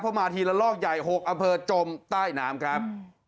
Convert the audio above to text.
เพราะมาทีละลอกใหญ่๖อำเภอจมใต้น้ำครับ